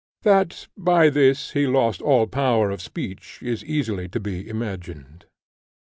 That by this he lost all power of speech is easily to be imagined.